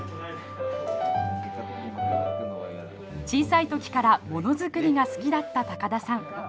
小さい時からモノづくりが好きだった高田さん。